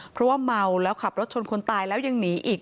เพราะว่าเมาแล้วขับรถชนคนตายแล้วยังหนีอีก